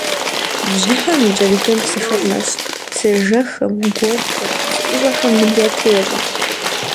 Бжьыхьэм и кӏэ дыдэм псыхэр мэщт – псыежэххэм, гуэлхэм, псыӏущӏэхэм мыл ятрещӏэ.